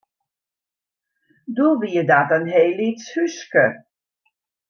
Doe wie dat in heel lyts húske.